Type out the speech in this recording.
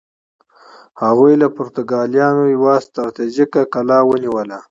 هغوی له پرتګالیانو یوه ستراتیژیکه کلا ونیوله.